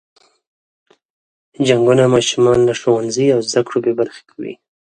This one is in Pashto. جنګونه ماشومان له ښوونځي او زده کړو بې برخې کوي.